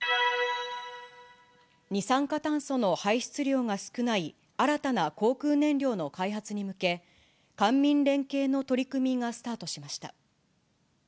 二酸化炭素の排出量が少ない新たな航空燃料の開発に向け、官民連携の取り組みがスタートしました。